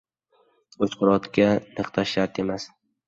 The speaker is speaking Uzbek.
• Uchqur otga niqtash shart emas.